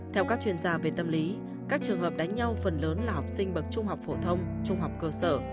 theo các chuyên gia về tâm lý các trường hợp đánh nhau phần lớn là học sinh bậc trung học phổ thông trung học cơ sở